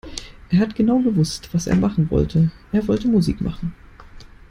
Er hat genau gewusst, was er machen wollte. Er wollte Musik machen.